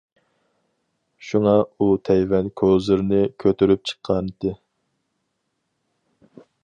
شۇڭا ئۇ تەيۋەن كوزىرنى كۆتۈرۈپ چىققانتى.